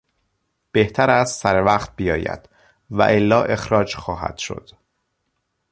بهتر است سر وقت بیاید والا اخراج خواهد شد.